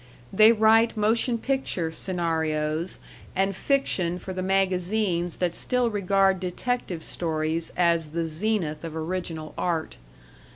They write motion picture scenarios and fiction for the magazines that still regard detective stories as the zenith of original art.